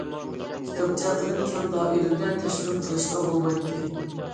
كىتابچە قىلىپ كەڭ دائىرىدە تەشۋىق قىلىشقا بولمايتتى.